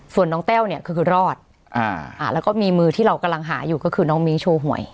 ส่วนน้องแต้วเนี้ยคือคือรอดอ่าอ่าแล้วก็มีมือที่เรากำลังหาอยู่ก็คือน้องมีชูหวย